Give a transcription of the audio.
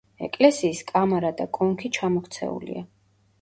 ეკლესიის კამარა და კონქი ჩამოქცეულია.